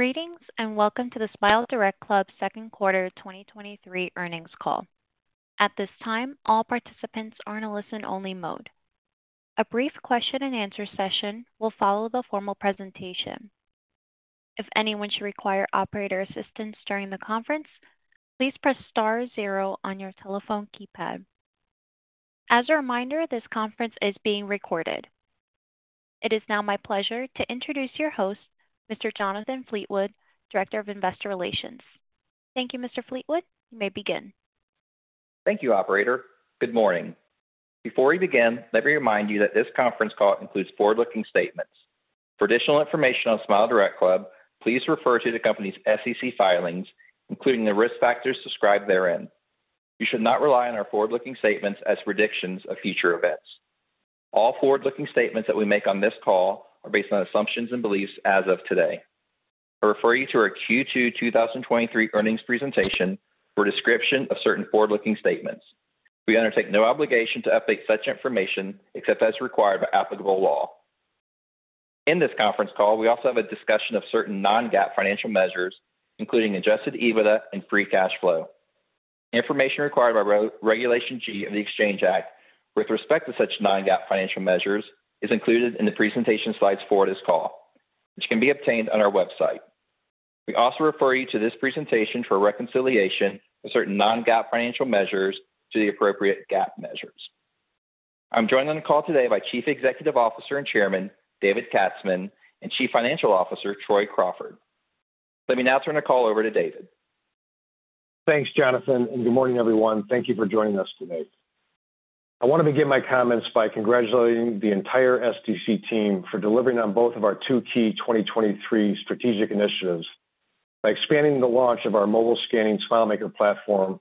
Greetings, Welcome to the SmileDirectClub Second Quarter 2023 Earnings Call. At this time, all participants are in a listen-only mode. A brief question and answer session will follow the formal presentation. If anyone should require operator assistance during the conference, please press star zero on your telephone keypad. As a reminder, this conference is being recorded. It is now my pleasure to introduce your host, Mr. Jonathan Fleetwood, Director of Investor Relations. Thank you Mr. Fleetwood. You may begin. Thank you Operator, Good morning before we begin, let me remind you that this conference call includes forward-looking statements. For additional information on SmileDirectClub, please refer to the company's SEC filings, including the risk factors described therein. You should not rely on our forward-looking statements as predictions of future events. All forward-looking statements that we make on this call are based on assumptions and beliefs as of today. I refer you to our Q2 2023 earnings presentation for a description of certain forward-looking statements. We undertake no obligation to update such information, except as required by applicable law. In this conference call, we also have a discussion of certain non-GAAP financial measures, including adjusted EBITDA and Free Cash Flow. Information required by Regulation G of the Exchange Act with respect to such non-GAAP financial measures is included in the presentation slides for this call, which can be obtained on our website. We also refer you to this presentation for a reconciliation of certain non-GAAP financial measures to the appropriate GAAP measures. I'm joined on the call today by Chief Executive Officer and Chairman, David Katzman, and Chief Financial Officer, Troy Crawford. Let me now turn the call over to David. Thanks, Jonathan. Good morning, everyone. Thank you for joining us today. I want to begin my comments by congratulating the entire SDC team for delivering on both of our two key 2023 strategic initiatives by expanding the launch of our mobile scanning SmileMaker Platform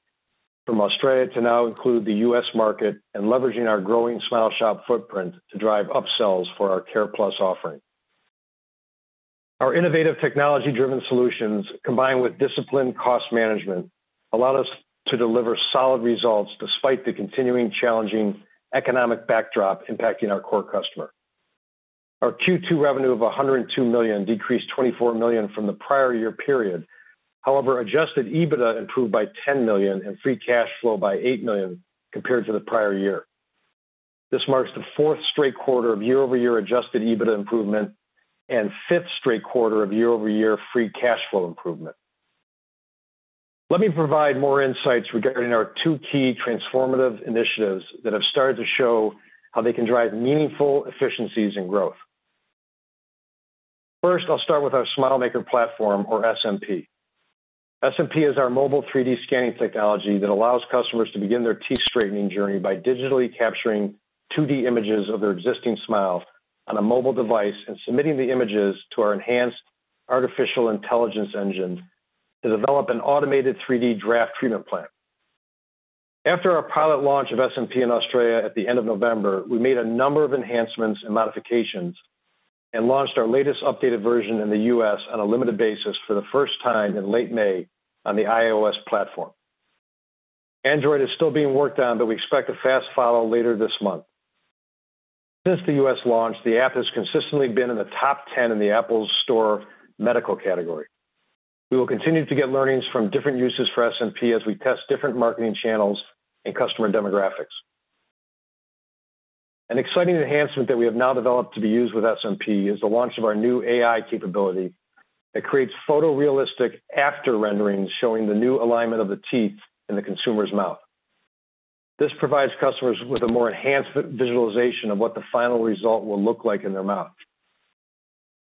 from Australia to now include the US market, and leveraging our growing SmileShop footprint to drive upsells for our CarePlus offering. Our innovative technology-driven solutions, combined with disciplined cost management, allowed us to deliver solid results despite the continuing challenging economic backdrop impacting our core customer. Our Q2 revenue of $102 million decreased $24 million from the prior year period. Adjusted EBITDA improved by $10 million and free cash flow by $8 million compared to the prior year. This marks the fourth straight quarter of year-over-year adjusted EBITDA improvement and fifth straight quarter of year-over-year free cash flow improvement. Let me provide more insights regarding our two key transformative initiatives that have started to show how they can drive meaningful efficiencies and growth. First, I'll start with our SmileMaker Platform, or SMP. SMP is our mobile 3D scanning technology that allows customers to begin their teeth straightening journey by digitally capturing 2D images of their existing smile on a mobile device and submitting the images to our enhanced artificial intelligence engine to develop an automated 3D draft treatment plan. After our pilot launch of SMP in Australia at the end of November, we made a number of enhancements and modifications and launched our latest updated version in the U.S on a limited basis for the first time in late May on the iOS platform. Android is still being worked on, but we expect a fast follow later this month. Since the U.S launch, the app has consistently been in the top 10 in the Apple's Store medical category. We will continue to get learnings from different uses for SMP as we test different marketing channels and customer demographics. An exciting enhancement that we have now developed to be used with SMP is the launch of our new AI capability that creates photorealistic after renderings, showing the new alignment of the teeth in the consumer's mouth. This provides customers with a more enhanced visualization of what the final result will look like in their mouth.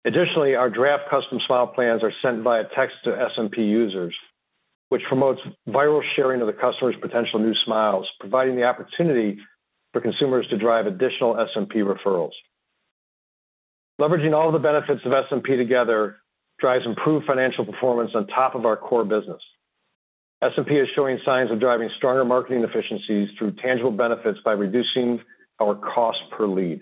Additionally, our draft custom smile plans are sent via text to SMP users, which promotes viral sharing of the customer's potential new smiles, providing the opportunity for consumers to drive additional SMP referrals. Leveraging all of the benefits of SMP together drives improved financial performance on top of our core business. SMP is showing signs of driving stronger marketing efficiencies through tangible benefits by reducing our cost per lead.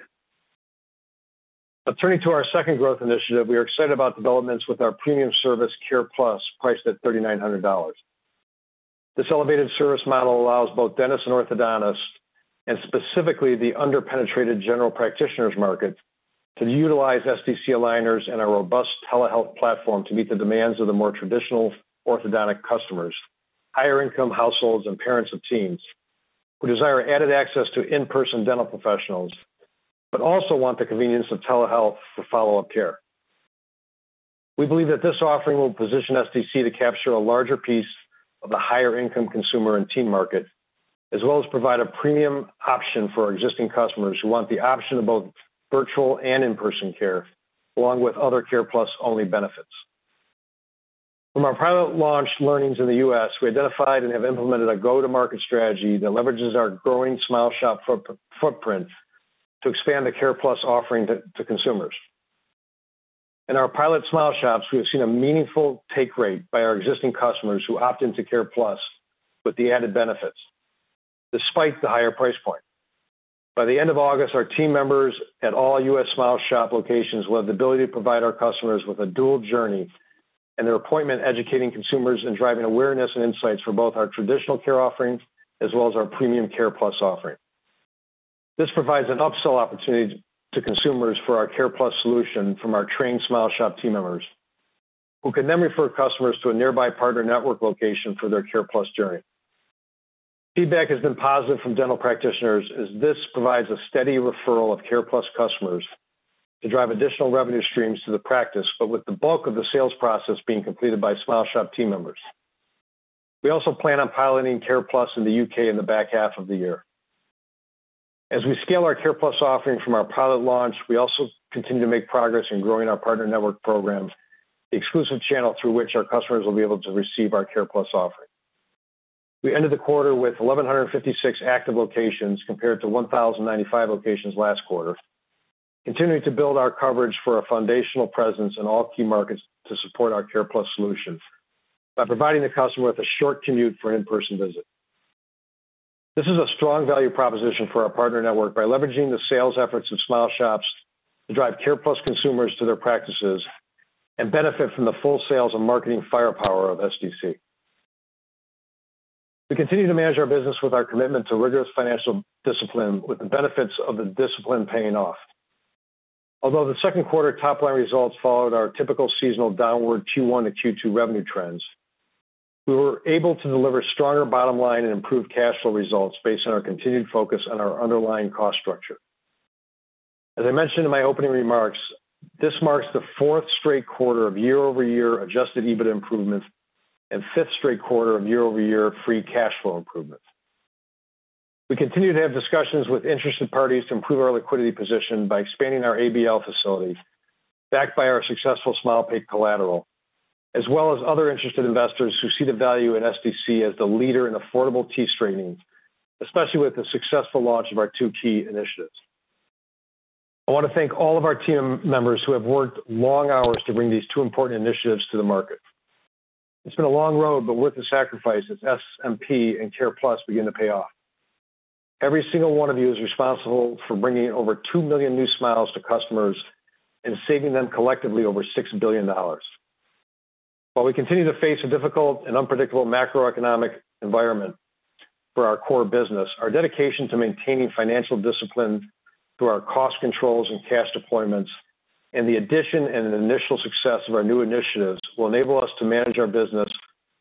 Turning to our second growth initiative, we are excited about developments with our premium service CarePlus, priced at $3,900. This elevated service model allows both dentists and orthodontists, and specifically the underpenetrated general practitioners market, to utilize SDC aligners and our robust telehealth platform to meet the demands of the more traditional orthodontic customers, higher income households, and parents of teens who desire added access to in-person dental professionals, but also want the convenience of telehealth for follow-up care. We believe that this offering will position SDC to capture a larger piece of the higher income consumer and teen market, as well as provide a premium option for our existing customers who want the option of both virtual and in-person care, along with other CarePlus-only benefits. From our pilot launch learnings in the U.S, we identified and have implemented a go-to-market strategy that leverages our growing SmileShop footprint to expand the CarePlus offering to consumers. In our pilot SmileShops, we have seen a meaningful take rate by our existing customers who opt into CarePlus with the added benefits, despite the higher price point. By the end of August, our team members at all U.S. SmileShop locations will have the ability to provide our customers with a dual journey and an appointment, educating consumers and driving awareness and insights for both our traditional care offerings as well as our premium CarePlus offering. This provides an upsell opportunity to consumers for our CarePlus solution from our trained SmileShop team members, who can then refer customers to a nearby Partner Network location for their CarePlus journey. Feedback has been positive from dental practitioners, as this provides a steady referral of CarePlus customers to drive additional revenue streams to the practice, but with the bulk of the sales process being completed by SmileShop team members. We also plan on piloting CarePlus in the U.K in the back half of the year. As we scale our CarePlus offering from our pilot launch, we also continue to make progress in growing our Partner Network programs, the exclusive channel through which our customers will be able to receive our CarePlus offering. We ended the quarter with 1,156 active locations compared to 1,095 locations last quarter, continuing to build our coverage for a foundational presence in all key markets to support our CarePlus solution by providing the customer with a short commute for an in-person visit. This is a strong value proposition for our Partner Network by leveraging the sales efforts of SmileShop to drive CarePlus consumers to their practices and benefit from the full sales and marketing firepower of SDC. We continue to manage our business with our commitment to rigorous financial discipline, with the benefits of the discipline paying off. Although the second quarter Top-line results followed our typical seasonal downward Q1 to Q2 revenue trends, we were able to deliver stronger bottom line and improved cash flow results based on our continued focus on our underlying cost structure. As I mentioned in my opening remarks, this marks the fourth straight quarter of year-over-year adjusted EBITDA improvements and fifth straight quarter of year-over-year free cash flow improvements. We continue to have discussions with interested parties to improve our liquidity position by expanding our ABL facilities, backed by our successful SmilePay collateral, as well as other interested investors who see the value in SDC as the leader in affordable teeth straightening, especially with the successful launch of our two key initiatives. I want to thank all of our team members who have worked long hours to bring these two important initiatives to the market. It's been a long road, but with the sacrifices, SMP and CarePlus begin to pay off. Every single one of you is responsible for bringing over two million new smiles to customers and saving them collectively over $6 billion. While we continue to face a difficult and unpredictable macroeconomic environment for our core business, our dedication to maintaining financial discipline through our cost controls and cash deployments, and the addition and initial success of our new initiatives, will enable us to manage our business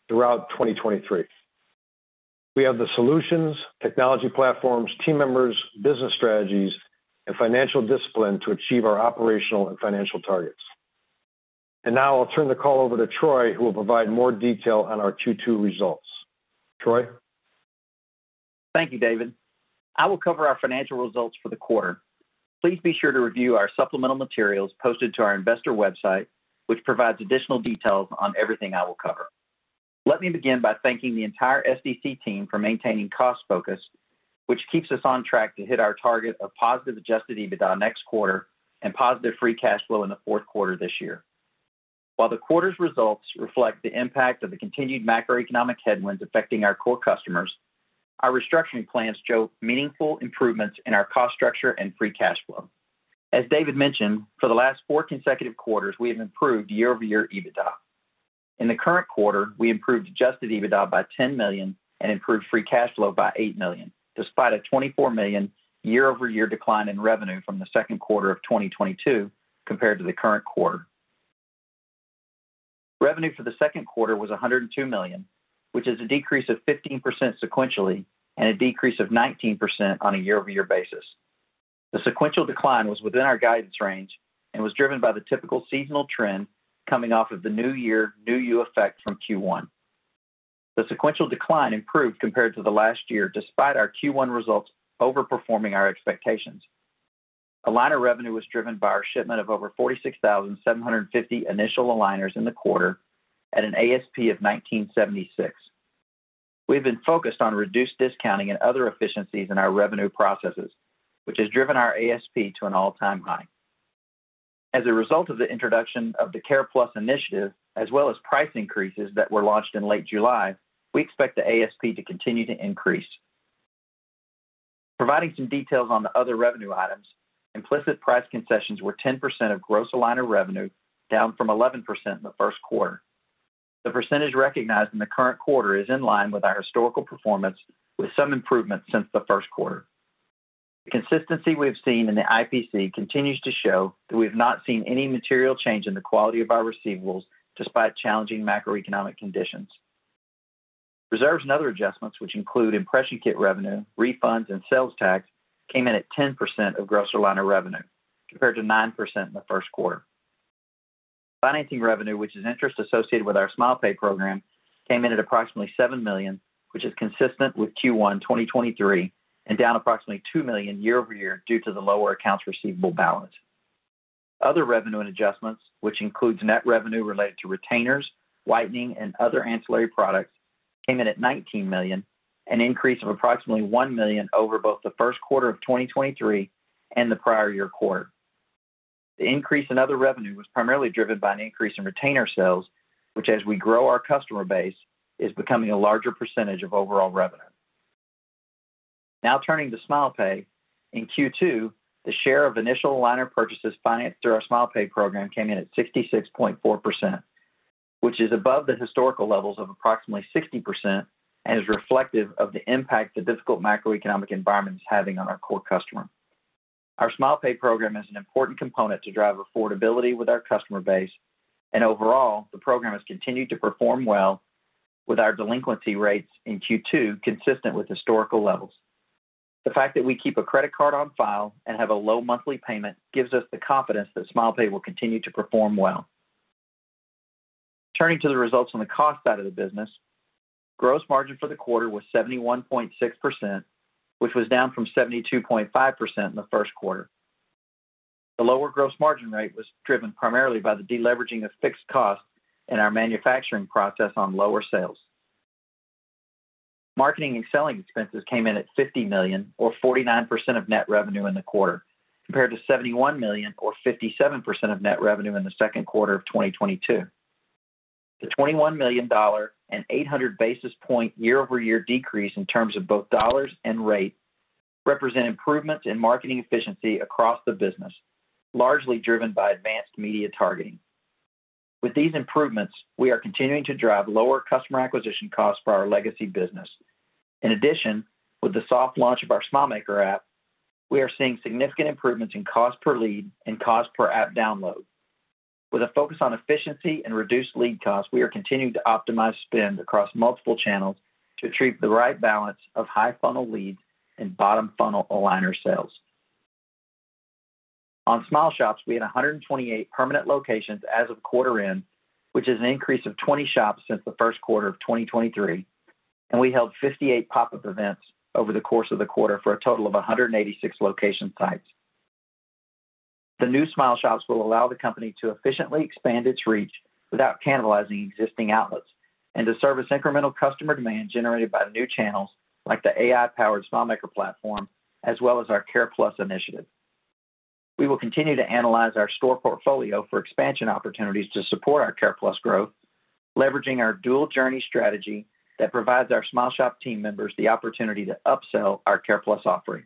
throughout 2023. We have the solutions, technology platforms, team members, business strategies, and financial discipline to achieve our operational and financial targets. Now I'll turn the call over to Troy, who will provide more detail on our Q2 results. Troy? Thank you, David. I will cover our financial results for the quarter. Please be sure to review our supplemental materials posted to our investor website, which provides additional details on everything I will cover. Let me begin by thanking the entire SDC team for maintaining cost focus, which keeps us on track to hit our target of positive adjusted EBITDA next quarter and positive free cash flow in the fourth quarter this year. While the quarter's results reflect the impact of the continued macroeconomic headwinds affecting our core customers, our restructuring plans show meaningful improvements in our cost structure and free cash flow. As David mentioned, for the last four consecutive quarters, we have improved year-over-year EBITDA. In the current quarter, we improved adjusted EBITDA by $10 million and improved free cash flow by $8 million, despite a $24 million year-over-year decline in revenue from second quarter 2022 compared to the current quarter. Revenue for the second quarter was $102 million, which is a decrease of 15% sequentially and a decrease of 19% on a year-over-year basis. The sequential decline was within our guidance range and was driven by the typical seasonal trend coming off of the New Year, New You effect from Q1. The sequential decline improved compared to the last year, despite our Q1 results overperforming our expectations. Aligner Revenue was driven by our shipment of over 46,750 Initial Aligners in the quarter at an ASP of $1,976. We've been focused on reduced discounting and other efficiencies in our revenue processes, which has driven our ASP to an all-time high. As a result of the introduction of the CarePlus initiative, as well as price increases that were launched in late July, we expect the ASP to continue to increase. Providing some details on the other revenue items, implicit price concessions were 10% of gross Aligner Revenue, down from 11% in the first quarter. The percentage recognized in the current quarter is in line with our historical performance, with some improvement since the first quarter. The consistency we've seen in the IPC continues to show that we have not seen any material change in the quality of our receivables, despite challenging macroeconomic conditions. Reserves and other adjustments, which include impression kit revenue, refunds, and sales tax, came in at 10% of gross Aligner Revenue, compared to 9% in the first quarter. Financing revenue, which is interest associated with our SmilePay program, came in at approximately $7 million, which is consistent with Q1 2023 and down approximately $2 million year-over-year due to the lower accounts receivable balance. Other revenue and adjustments, which includes net revenue related to retainers, whitening, and other ancillary products, came in at $19 million, an increase of approximately $1 million over both the first quarter of 2023 and the prior year quarter. The increase in other revenue was primarily driven by an increase in retainer sales, which, as we grow our customer base, is becoming a larger percentage of overall revenue. Now turning to SmilePay. In Q2, the share of Initial Aligner purchases financed through our SmilePay program came in at 66.4%. Overall, the program has continued to perform well, with our delinquency rates in Q2 consistent with historical levels. The fact that we keep a credit card on file and have a low monthly payment gives us the confidence that SmilePay will continue to perform well. Turning to the results on the cost side of the business, gross margin for the quarter was 71.6%, which was down from 72.5% in the first quarter. The lower gross margin rate was driven primarily by the deleveraging of fixed costs in our manufacturing process on lower sales. Marketing and selling expenses came in at $50 million, or 49% of net revenue in the quarter, compared to $71 million or 57% of net revenue in the second quarter of 2022. The $21 million and 800 basis point year-over-year decrease in terms of both dollars and rate represent improvements in marketing efficiency across the business, largely driven by advanced media targeting. With these improvements, we are continuing to drive lower customer acquisition costs for our legacy business. In addition, with the soft launch of our SmileMaker app, we are seeing significant improvements in cost per lead and cost per app download. With a focus on efficiency and reduced lead costs, we are continuing to optimize spend across multiple channels to achieve the right balance of high funnel leads and bottom funnel aligner sales. On Smile Shops, we had 128 permanent locations as of quarter end, which is an increase of 20 shops since the first quarter of 2023, and we held 58 pop-up events over the course of the quarter for a total of 186 location types. The new Smile Shops will allow the company to efficiently expand its reach without cannibalizing existing outlets and to service incremental customer demand generated by new channels like the AI-powered SmileMaker Platform, as well as our CarePlus initiative. We will continue to analyze our store portfolio for expansion opportunities to support our CarePlus growth, leveraging our dual journey strategy that provides our SmileShop team members the opportunity to upsell our CarePlus offering.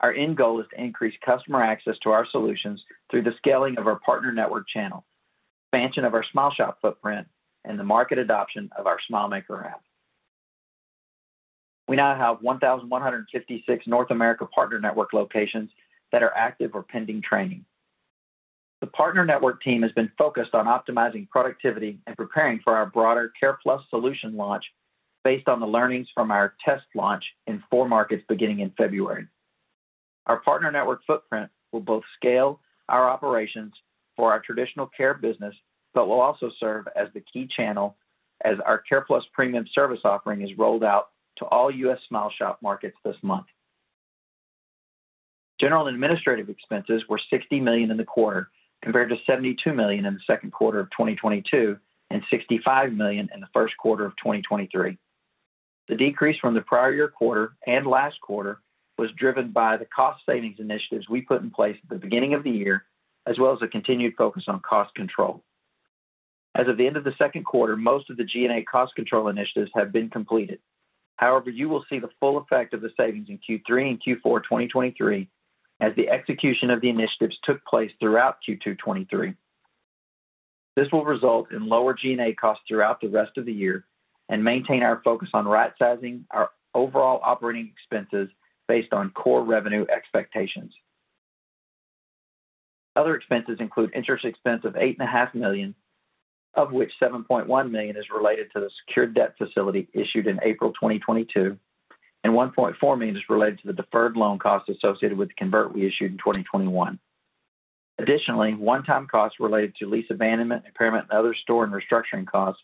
Our end goal is to increase customer access to our solutions through the scaling of our Partner Network channel, expansion of our SmileShop footprint, and the market adoption of our SmileMaker app. We now have 1,156 North America Partner Network locations that are active or pending training. The Partner Network team has been focused on optimizing productivity and preparing for our broader CarePlus solution launch, based on the learnings from our test launch in four markets beginning in February. Our Partner Network footprint will both scale our operations for our traditional care business, but will also serve as the key channel as our CarePlus premium service offering is rolled out to all US SmileShop markets this month. General administrative expenses were $60 million in the quarter, compared to $72 million in the second quarter of 2022 and $65 million in the first quarter of 2023. The decrease from the prior year quarter and last quarter was driven by the cost savings initiatives we put in place at the beginning of the year, as well as a continued focus on cost control. As of the end of the second quarter, most of the G&A cost control initiatives have been completed. However, you will see the full effect of the savings in Q3 and Q4 2023, as the execution of the initiatives took place throughout Q2 2023. This will result in lower G&A costs throughout the rest of the year and maintain our focus on right-sizing our overall operating expenses based on core revenue expectations. Other expenses include interest expense of $8.5 million, of which $7.1 million is related to the secured debt facility issued in April 2022, and $1.4 million is related to the deferred loan costs associated with the convert we issued in 2021. Additionally, one-time costs related to lease abandonment, impairment, and other store and restructuring costs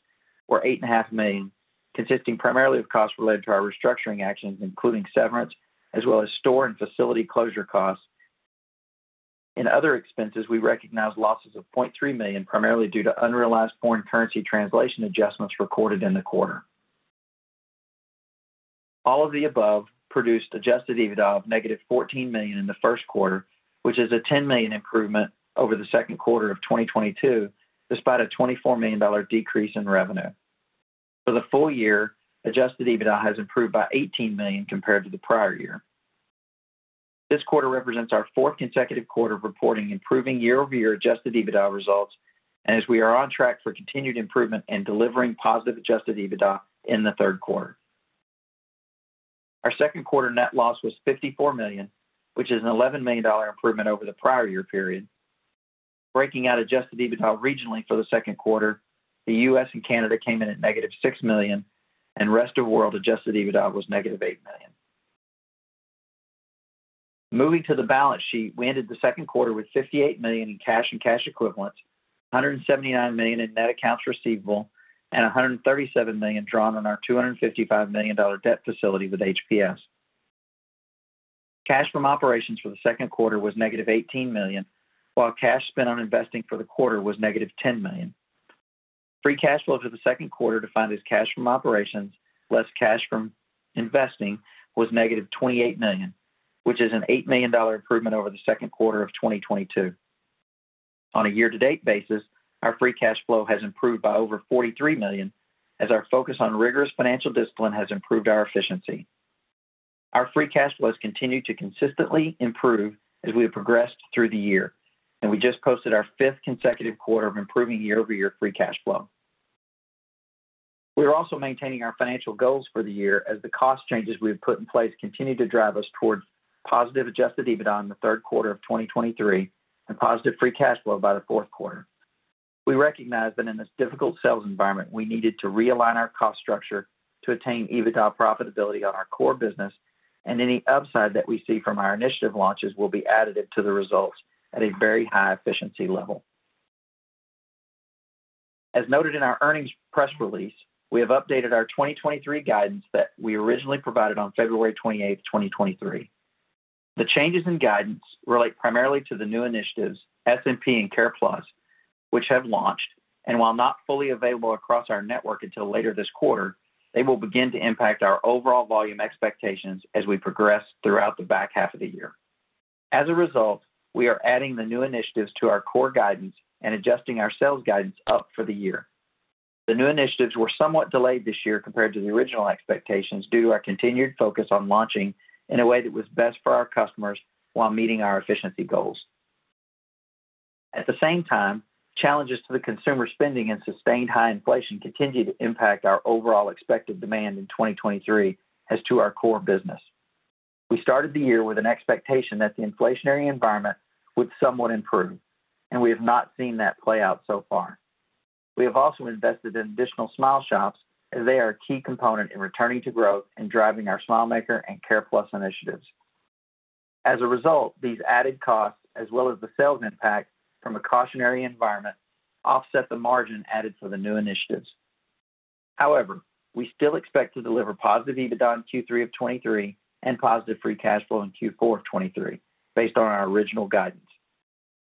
were $8.5 million, consisting primarily of costs related to our restructuring actions, including severance, as well as store and facility closure costs. In other expenses, we recognized losses of $0.3 million, primarily due to unrealized foreign currency translation adjustments recorded in the quarter. All of the above produced adjusted EBITDA of -$14 million in the first quarter, which is a $10 million improvement over the second quarter of 2022, despite a $24 million decrease in revenue. For the full year, adjusted EBITDA has improved by $18 million compared to the prior year. This quarter represents our fourth consecutive quarter of reporting improving year-over-year adjusted EBITDA results, and as we are on track for continued improvement in delivering positive adjusted EBITDA in the third quarter. Our second quarter net loss was $54 million, which is an $11 million improvement over the prior year period. Breaking out adjusted EBITDA regionally for the second quarter, the U.S and Canada came in at -$6 million, and rest of world adjusted EBITDA was -$8 million. Moving to the balance sheet, we ended the second quarter with $58 million in cash and cash equivalents, $179 million in net accounts receivable, and $137 million drawn on our $255 million debt facility with HPS. Cash from operations for the second quarter was -$18 million, while cash spent on investing for the quarter was -$10 million. Free cash flow for the second quarter, defined as cash from operations less cash from investing, was -$28 million, which is an $8 million improvement over the second quarter of 2022. On a year-to-date basis, our free cash flow has improved by over $43 million, as our focus on rigorous financial discipline has improved our efficiency. Our free cash flows continue to consistently improve as we have progressed through the year, and we just posted our fifth consecutive quarter of improving year-over-year free cash flow. We are also maintaining our financial goals for the year as the cost changes we have put in place continue to drive us towards positive adjusted EBITDA in the third quarter of 2023 and positive free cash flow by the fourth quarter. We recognize that in this difficult sales environment, we needed to realign our cost structure to attain EBITDA profitability on our core business, and any upside that we see from our initiative launches will be additive to the results at a very high efficiency level. As noted in our earnings press release, we have updated our 2023 guidance that we originally provided on February 28, 2023. The changes in guidance relate primarily to the new initiatives, SMP and CarePlus, which have launched, and while not fully available across our network until later this quarter, they will begin to impact our overall volume expectations as we progress throughout the back half of the year. As a result, we are adding the new initiatives to our core guidance and adjusting our sales guidance up for the year. The new initiatives were somewhat delayed this year compared to the original expectations, due to our continued focus on launching in a way that was best for our customers while meeting our efficiency goals. At the same time, challenges to the consumer spending and sustained high inflation continue to impact our overall expected demand in 2023 as to our core business. We started the year with an expectation that the inflationary environment would somewhat improve, and we have not seen that play out so far. We have also invested in additional SmileShops as they are a key component in returning to growth and driving our SmileMaker and CarePlus initiatives. As a result, these added costs, as well as the sales impact from a cautionary environment, offset the margin added for the new initiatives. However, we still expect to deliver positive EBITDA in Q3 of 2023 and positive free cash flow in Q4 of 2023, based on our original guidance.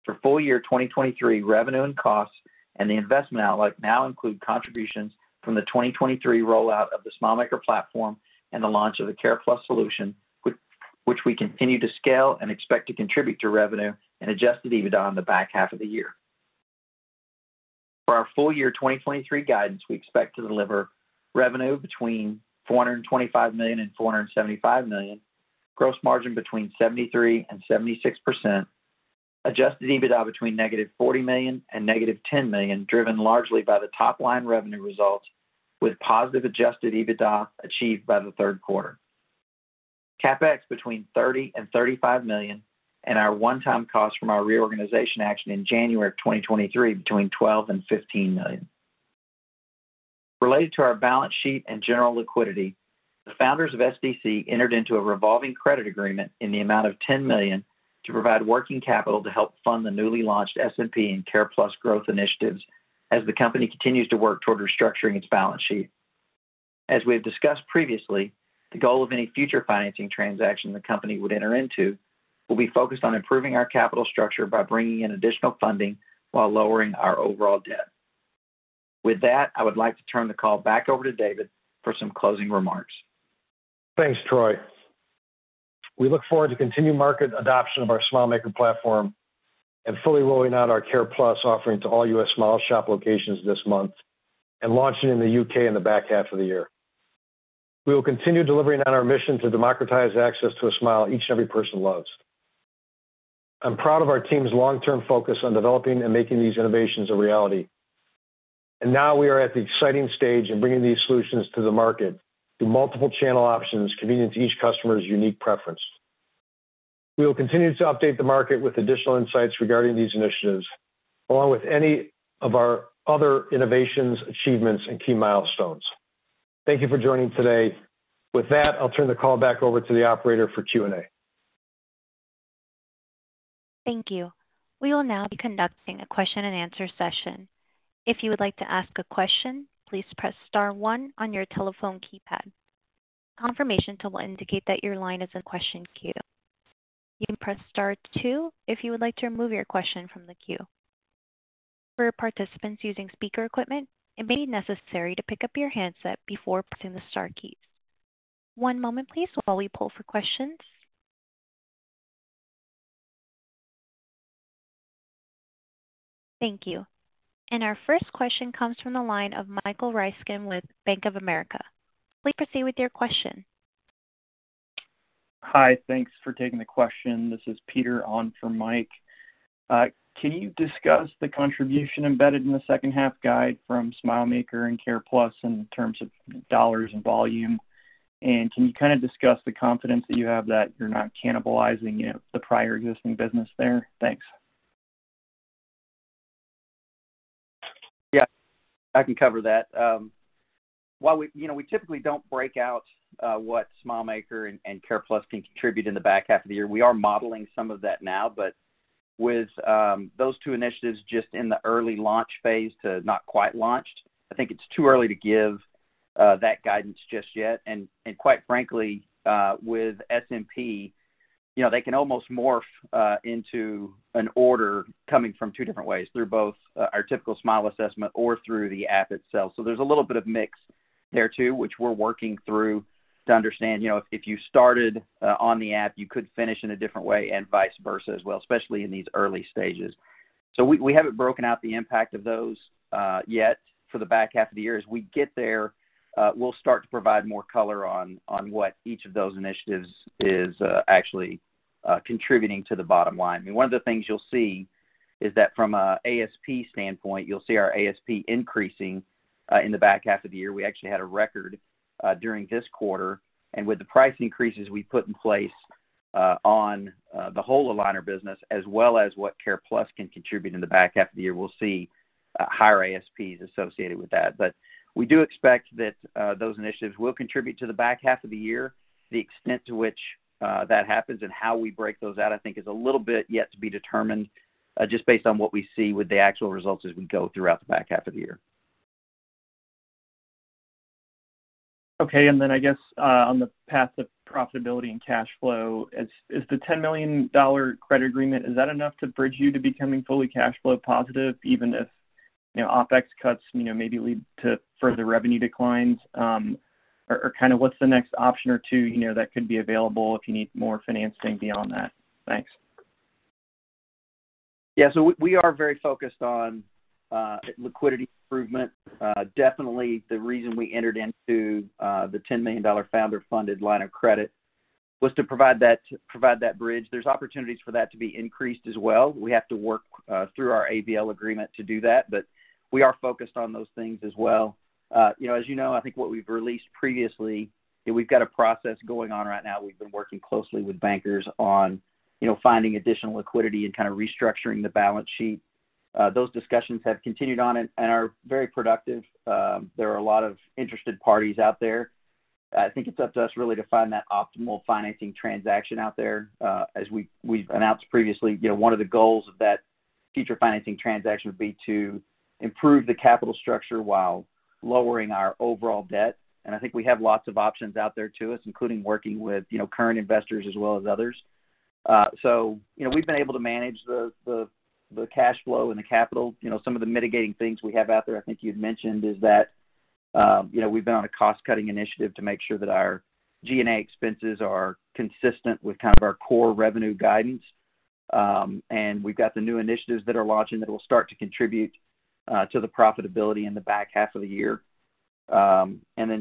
For full year 2023, revenue and costs and the investment outlook now include contributions from the 2023 rollout of the SmileMaker Platform and the launch of the CarePlus solution, which, which we continue to scale and expect to contribute to revenue and adjusted EBITDA in the back half of the year. For our full year 2023 guidance, we expect to deliver revenue between $425 million and $475 million, gross margin between 73%-76%, adjusted EBITDA between -$40 million and -$10 million, driven largely by the Top-line revenue results, with positive adjusted EBITDA achieved by the third quarter. CapEx between $30 million-$35 million, and our one-time cost from our reorganization action in January of 2023, between $12 million-$15 million. Related to our balance sheet and general liquidity, the founders of SDC entered into a revolving credit agreement in the amount of $10 million to provide working capital to help fund the newly launched SMP and CarePlus growth initiatives as the company continues to work toward restructuring its balance sheet. As we have discussed previously, the goal of any future financing transaction the company would enter into will be focused on improving our capital structure by bringing in additional funding while lowering our overall debt. With that, I would like to turn the call back over to David for some closing remarks. Thanks, Troy. We look forward to continued market adoption of our SmileMaker Platform and fully rolling out our CarePlus offering to all US SmileShop locations this month and launching in the U.K in the back half of the year. We will continue delivering on our mission to democratize access to a smile each and every person loves. I'm proud of our team's long-term focus on developing and making these innovations a reality, and now we are at the exciting stage in bringing these solutions to the market through multiple channel options convenient to each customer's unique preference. We will continue to update the market with additional insights regarding these initiatives, along with any of our other innovations, achievements, and key milestones. Thank you for joining today. With that, I'll turn the call back over to the operator for Q&A. Thank you. We will now be conducting a question-and-answer session. If you would like to ask a question, please press star one on your telephone keypad. A confirmation tone will indicate that your line is in question queue. You can press star two if you would like to remove your question from the queue. For participants using speaker equipment, it may be necessary to pick up your handset before pressing the star keys. One moment, please, while we pull for questions. Thank you. Our first question comes from the line of Michael Ryskin with Bank of America. Please proceed with your question. Hi, thanks for taking the question. This is Peter on for Mike, can you discuss the contribution embedded in the second half guide from SmileMaker and CarePlus in terms of dollars and volume? Can you kind of discuss the confidence that you have that you're not cannibalizing the prior existing business there? Thanks. Yeah, I can cover that. While we, you know, we typically don't break out, what SmileMaker and, and CarePlus can contribute in the back half of the year. We are modeling some of that now, but with, those two initiatives just in the early launch phase to not quite launched, I think it's too early to give, that guidance just yet. Quite frankly, with SMP, you know, they can almost morph, into an order coming from two different ways, through both, our typical Smile Assessment or through the app itself. There's a little bit of mix there, too, which we're working through to understand. You know, if, if you started on the app, you could finish in a different way and vice versa as well, especially in these early stages. We, we haven't broken out the impact of those yet for the back half of the year. As we get there, we'll start to provide more color on, on what each of those initiatives is actually contributing to the bottom line. One of the things you'll see is that from a ASP standpoint, you'll see our ASP increasing in the back half of the year. We actually had a record during this quarter, and with the price increases we put in place on the whole aligner business, as well as what CarePlus can contribute in the back half of the year, we'll see higher ASPs associated with that. We do expect that, those initiatives will contribute to the back half of the year. The extent to which, that happens and how we break those out, I think is a little bit yet to be determined, just based on what we see with the actual results as we go throughout the back half of the year. Okay. Then I guess on the path of profitability and cash flow, is, is the $10 million credit agreement, is that enough to bridge you to becoming fully cash flow positive, even if, you know, OpEx cuts, you know, maybe lead to further revenue declines? Or, or kind of what's the next option or two, you know, that could be available if you need more financing beyond that? Thanks. Yeah, we, we are very focused on liquidity improvement. Definitely the reason we entered into the $10 million founder-funded line of credit was to provide that, provide that bridge. There's opportunities for that to be increased as well. We have to work through our ABL agreement to do that, but we are focused on those things as well. You know, as you know, I think what we've released previously, and we've got a process going on right now. We've been working closely with bankers on, you know, finding additional liquidity and kind of restructuring the balance sheet. Those discussions have continued on and, and are very productive. There are a lot of interested parties out there. I think it's up to us really to find that optimal financing transaction out there. As we, we've announced previously, you know, one of the goals of that future financing transaction would be to improve the capital structure while lowering our overall debt. I think we have lots of options out there to us, including working with, you know, current investors as well as others. You know, we've been able to manage the, the, the cash flow and the capital. You know, some of the mitigating things we have out there, I think you'd mentioned, is that, you know, we've been on a cost-cutting initiative to make sure that our G&A expenses are consistent with kind of our core revenue guidance. We've got the new initiatives that are launching that will start to contribute to the profitability in the back half of the year. You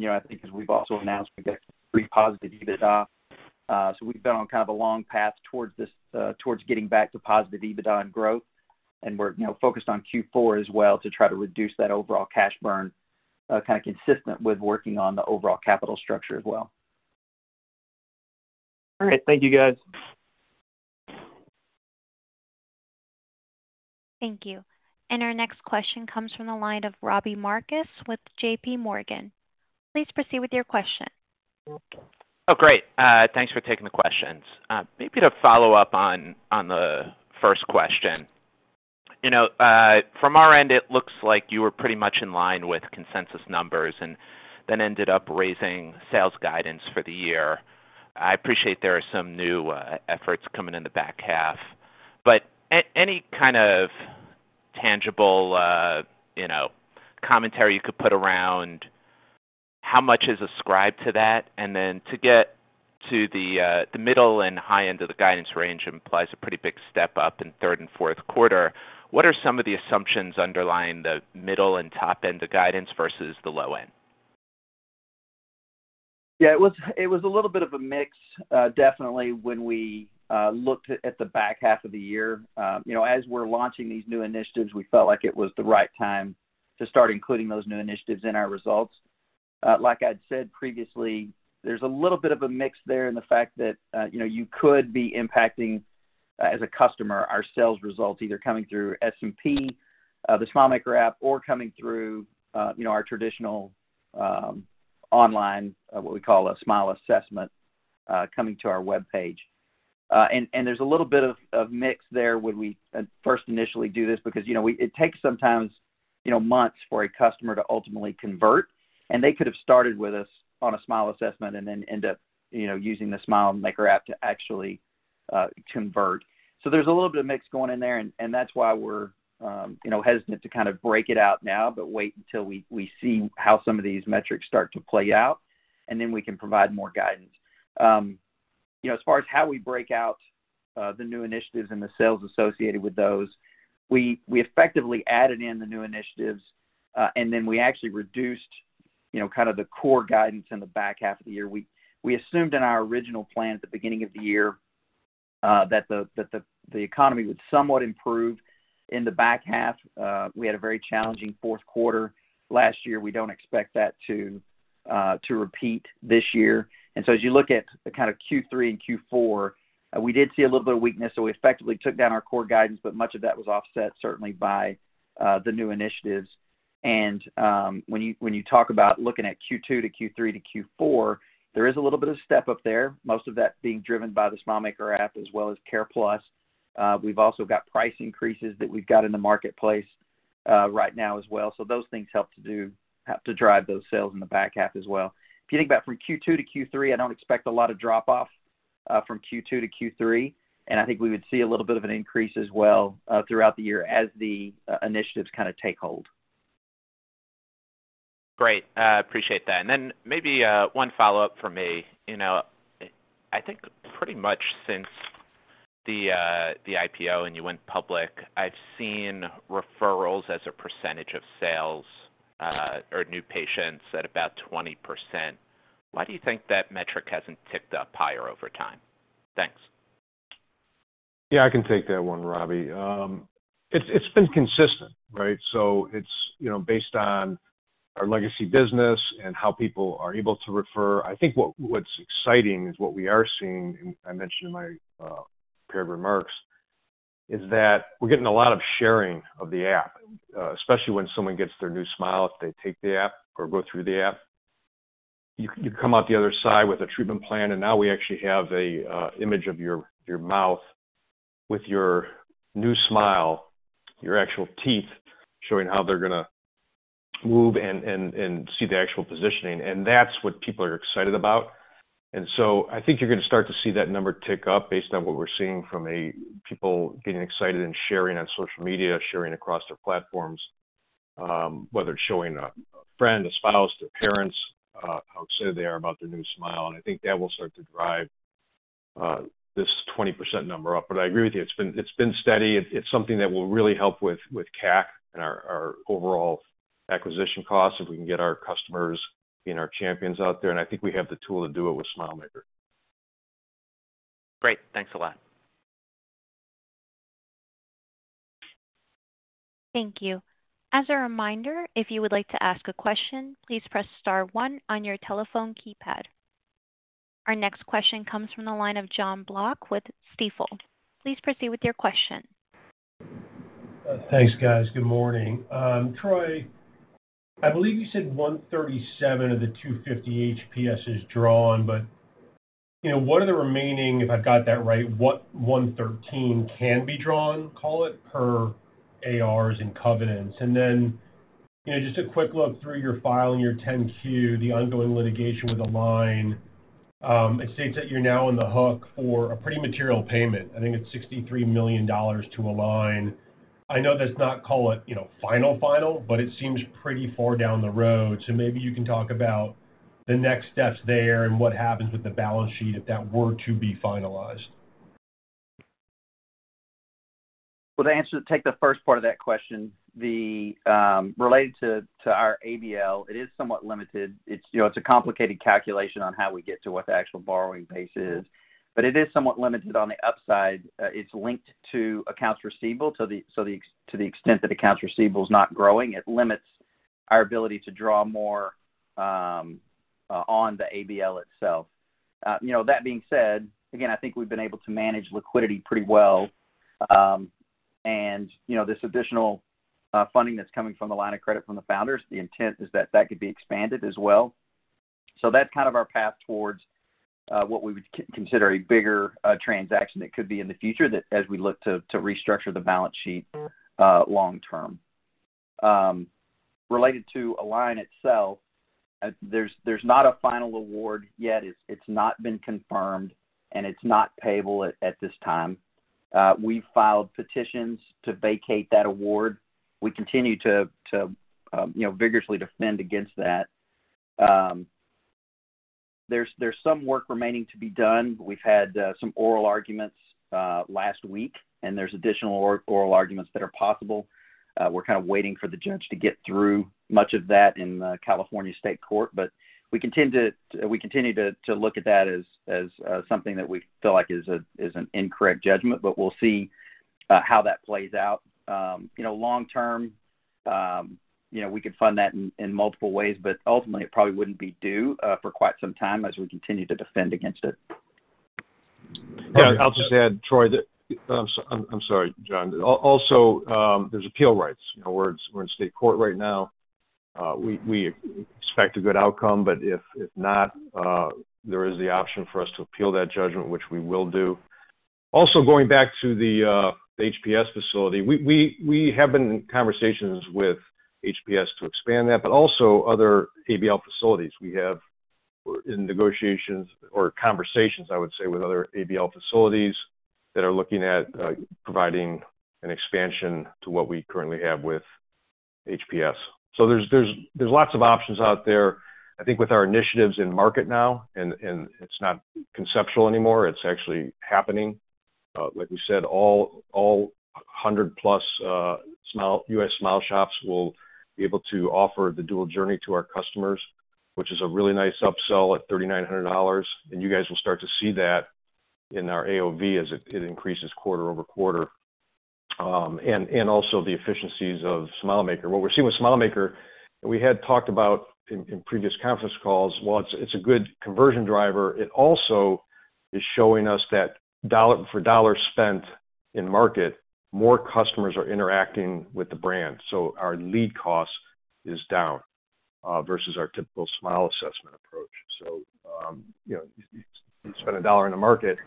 know, I think as we've also announced, we've got pre-positive EBITDA. We've been on kind of a long path towards this, towards getting back to positive EBITDA and growth, and we're, you know, focused on Q4 as well to try to reduce that overall cash burn, kind of consistent with working on the overall capital structure as well. All right. Thank you, guys. Thank you. Our next question comes from the line of Robbie Marcus with JPMorgan. Please proceed with your question. Great thanks for taking the questions. Maybe to follow up on the first question. You know, from our end, it looks like you were pretty much in line with consensus numbers and then ended up raising sales guidance for the year. I appreciate there are some new efforts coming in the back half, but any kind of tangible, you know, commentary you could put around how much is ascribed to that? To get to the middle and high end of the guidance range implies a pretty big step-up in third and fourth quarter. What are some of the assumptions underlying the middle and top end of guidance versus the low end? Yeah, it was, it was a little bit of a mix, definitely when we looked at the back half of the year. You know, as we're launching these new initiatives, we felt like it was the right time to start including those new initiatives in our results. Like I'd said previously, there's a little bit of a mix there in the fact that, you know, you could be impacting, as a customer, our sales results, either coming through SMP, the SmileMaker app, or coming through, you know, our traditional, online, what we call a Smile Assessment, coming to our webpage. There's a little bit of, of mix there when we, first initially do this, because, you know, we-- it takes sometimes, you know, months for a customer to ultimately convert, and they could have started with us on a Smile Assessment and then end up, you know, using the SmileMaker app to actually, convert. There's a little bit of mix going in there, and that's why we're, you know, hesitant to kind of break it out now, but wait until we, we see how some of these metrics start to play out, and then we can provide more guidance. You know, as far as how we break out the new initiatives and the sales associated with those, we, we effectively added in the new initiatives, and then we actually reduced, you know, kind of the core guidance in the back half of the year. We, we assumed in our original plan at the beginning of the year that the, that the, the economy would somewhat improve in the back half. We had a very challenging fourth quarter last year. We don't expect that to repeat this year. As you look at the kind of Q3 and Q4, we did see a little bit of weakness, so we effectively took down our core guidance, but much of that was offset certainly by the new initiatives. When you, when you talk about looking at Q2 to Q3 to Q4, there is a little bit of step up there, most of that being driven by the SmileMaker app as well as CarePlus. We've also got price increases that we've got in the marketplace right now as well. Those things help to drive those sales in the back half as well. If you think about from Q2 to Q3, I don't expect a lot of drop off from Q2 to Q3, and I think we would see a little bit of an increase as well throughout the year as the initiatives kind of take hold. Great. appreciate that. maybe one follow-up for me. You know, I think pretty much since the IPO and you went public, I've seen referrals as a percentage of sales or new patients at about 20%. Why do you think that metric hasn't ticked up higher over time? Thanks. Yeah, I can take that one Robbie. It's, been consistent, right? It's, you know, based on our legacy business and how people are able to refer. I think what, what's exciting is what we are seeing, and I mentioned in my prepared remarks, is that we're getting a lot of sharing of the app, especially when someone gets their new smile. If they take the app or go through the app, you, you come out the other side with a treatment plan, and now we actually have a image of your, your mouth with your new smile, your actual teeth, showing how they're gonna move and, and, and see the actual positioning, and that's what people are excited about. I think you're gonna start to see that number tick up based on what we're seeing from a people getting excited and sharing on social media, sharing across their platforms, whether it's showing a friend, a spouse, their parents, how excited they are about their new smile. I think that will start to drive this 20% number up. I agree with you, it's been, it's been steady. It's, it's something that will really help with, with CAC and our, our overall acquisition costs, if we can get our customers being our champions out there, and I think we have the tool to do it with SmileMaker. Great. Thanks a lot. Thank you. As a reminder, if you would like to ask a question, please press star one on your telephone keypad. Our next question comes from the line of Jon Block with Stifel. Please proceed with your question. Thanks guys Good morning. Troy, I believe you said 137 of the 250 HPS is drawn, you know, what are the remaining, if I've got that right, what 113 can be drawn, call it, per ARs and covenants? You know, just a quick look through your filing, your 10-Q, the ongoing litigation with Align. It states that you're now on the hook for a pretty material payment. I think it's $63 million to Align, I know that's not, call it, you know, final, final, but it seems pretty far down the road. Maybe you can talk about the next steps there and what happens with the balance sheet if that were to be finalized. Well, the answer to take the first part of that question, the, related to, to our ABL, it is somewhat limited. It's, you know, it's a complicated calculation on how we get to what the actual borrowing base is, but it is somewhat limited. On the upside, it's linked to accounts receivable, so the, to the extent that accounts receivable is not growing, it limits our ability to draw more, on the ABL itself. You know, that being said, again, I think we've been able to manage liquidity pretty well. You know, this additional funding that's coming from the line of credit from the founders, the intent is that that could be expanded as well. That's kind of our path towards what we would consider a bigger transaction that could be in the future that as we look to, to restructure the balance sheet long term. Related to Align itself, there's, there's not a final award yet. It's, it's not been confirmed, and it's not payable at, at this time. We've filed petitions to vacate that award. We continue to, to, you know, vigorously defend against that. There's, there's some work remaining to be done. We've had some oral arguments last week, and there's additional oral arguments that are possible. We're kind of waiting for the judge to get through much of that in California State Court, but we continue to, we continue to, to look at that as, as something that we feel like is an incorrect judgment, but we'll see how that plays out. You know, long term, you know, we could fund that in multiple ways, but ultimately it probably wouldn't be due for quite some time as we continue to defend against it. Yeah. I'll just add Troy, that I'm sorry, Jon. There's appeal rights. You know, we're, we're in state court right now. We, we expect a good outcome, but if, if not, there is the option for us to appeal that judgment, which we will do. Going back to the HPS facility, we, we, we have been in conversations with HPS to expand that, but also other ABL facilities. We have, we're in negotiations or conversations, I would say, with other ABL facilities that are looking at providing an expansion to what we currently have with HPS. There's, there's, there's lots of options out there. I think with our initiatives in market now, and, and it's not conceptual anymore, it's actually happening. Like we said, all 100-plus US SmileShops will be able to offer the dual journey to our customers, which is a really nice upsell at $3,900. You guys will start to see that in our AOV as it increases quarter-over-quarter. Also the efficiencies of SmileMaker. What we're seeing with SmileMaker, we had talked about in previous conference calls, while it's a good conversion driver, it also is showing us that dollar for dollar spent in market, more customers are interacting with the brand. Our lead cost is down versus our typical Smile Assessment approach. You know, you spend $1 in the market,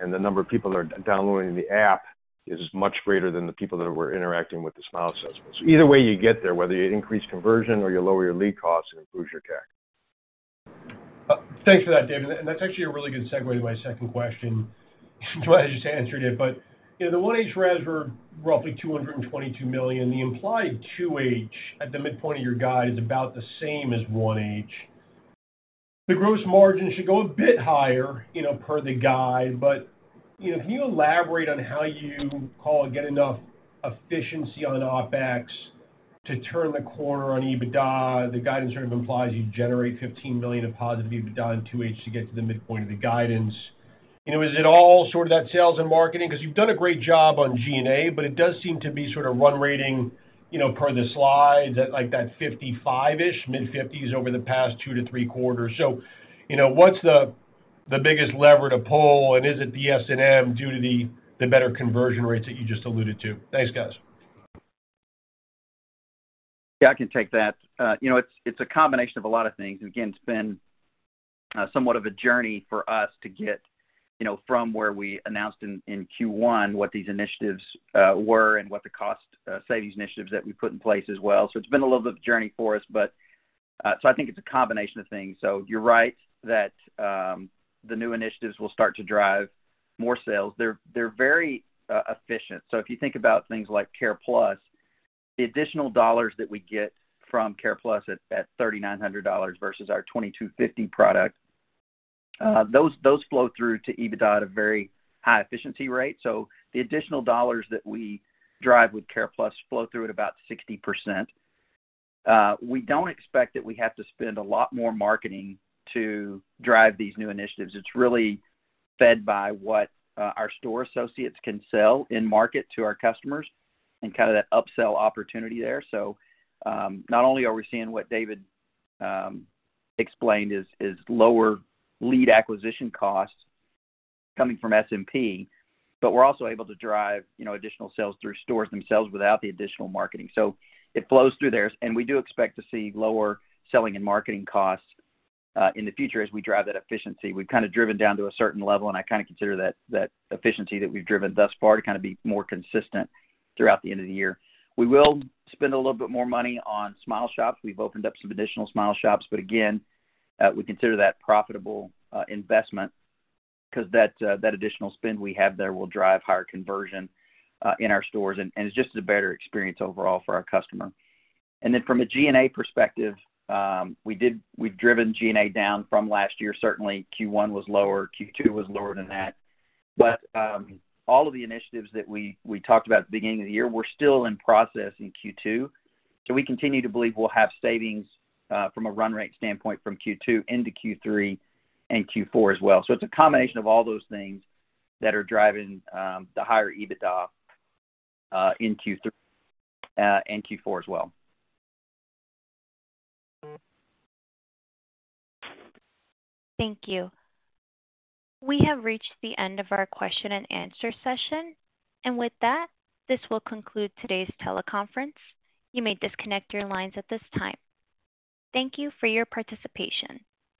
and the number of people that are downloading the app is much greater than the people that were interacting with the Smile Assessment. Either way you get there, whether you increase conversion or you lower your lead costs, it improves your CAC. Thanks for that, David. That's actually a really good segue to my second question. Well, I just answered it, but, you know, the 1H revs were roughly $222 million. The implied 2H at the midpoint of your guide is about the same as 1H. The gross margin should go a bit higher, you know, per the guide, but, you know, can you elaborate on how you call, get enough efficiency on OpEx to turn the corner on EBITDA? The guidance sort of implies you generate $15 million of positive EBITDA in 2H to get to the midpoint of the guidance. You know, is it all sort of that sales and marketing? You've done a great job on G&A, but it does seem to be sort of run rating, you know, per the slide, that like that fifty-five-ish, mid-fifties over the past two to three quarters. You know, what's the biggest lever to pull, and is it the S&M due to the better conversion rates that you just alluded to? Thanks, guys. Yeah, I can take that. You know, it's, it's a combination of a lot of things. Again, it's been, somewhat of a journey for us to get, you know, from where we announced in, in Q1, what these initiatives, were and what the cost, savings initiatives that we put in place as well. It's been a little bit of a journey for us, but, so I think it's a combination of things. You're right that, the new initiatives will start to drive more sales. They're, they're very, efficient. If you think about things like CarePlus, the additional dollars that we get from CarePlus at, $3,900 versus our $2,250 product, those, those flow through to EBITDA at a very high efficiency rate. The additional dollars that we drive with CarePlus flow through at about 60%. We don't expect that we have to spend a lot more marketing to drive these new initiatives. It's really fed by what our store associates can sell in market to our customers and kind of that upsell opportunity there. Not only are we seeing what David explained is, is lower lead acquisition costs coming from SMP, but we're also able to drive, you know, additional sales through stores themselves without the additional marketing. It flows through there, and we do expect to see lower selling and marketing costs in the future as we drive that efficiency. We've kind of driven down to a certain level, and I kind of consider that, that efficiency that we've driven thus far to kind of be more consistent throughout the end of the year. We will spend a little bit more money on SmileShops. We've opened up some additional SmileShops. Again, we consider that profitable investment because that additional spend we have there will drive higher conversion in our stores, and it's just a better experience overall for our customer. From a G&A perspective, we've driven G&A down from last year. Certainly, Q1 was lower, Q2 was lower than that. All of the initiatives that we talked about at the beginning of the year, we're still in process in Q2. We continue to believe we'll have savings from a run rate standpoint from Q2 into Q3 and Q4 as well. It's a combination of all those things that are driving the higher EBITDA in Q3 and Q4 as well. Thank you. We have reached the end of our question and answer session, and with that, this will conclude today's teleconference. You may disconnect your lines at this time. Thank you for your participation.